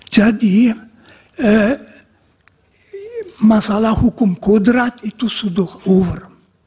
jadi masalah hukum kodrat itu sudah over